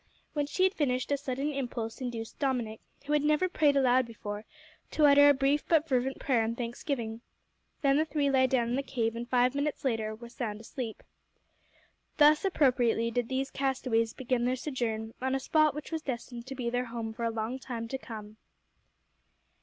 When she had finished, a sudden impulse induced Dominick, who had never prayed aloud before, to utter a brief but fervent prayer and thanksgiving. Then the three lay down in the cave, and in five minutes were sound asleep. Thus appropriately did these castaways begin their sojourn on a spot which was destined to be their home for a long time to come.